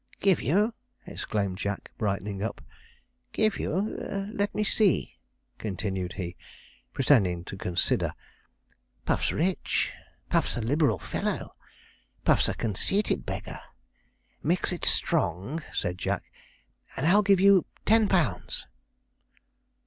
'Give you!' exclaimed Jack, brightening up. 'Give you! Let me see,' continued he, pretending to consider 'Puff's rich Puff's a liberal fellow Puff's a conceited beggar mix it strong,' said Jack, 'and I'll give you ten pounds.'